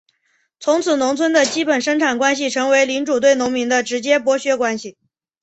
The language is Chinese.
从此农村的基本生产关系成为领主对农民的直接剥削关系。